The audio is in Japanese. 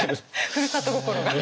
ふるさと心が。